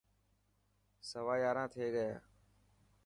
سوا ياران ٿي گيا.